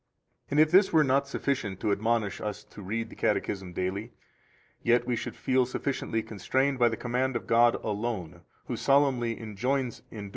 14 And if this were not sufficient to admonish us to read the Catechism daily, yet we should feel sufficiently constrained by the command of God alone, who solemnly enjoins in Deut.